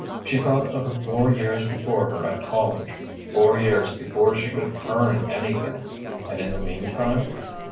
She thought of the four years before her at college, four years before she could earn anything and in the mean time?